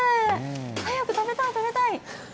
早く食べたい、食べたい。